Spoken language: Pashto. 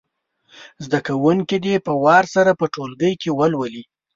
زده کوونکي دې په وار سره په ټولګي کې ولولي.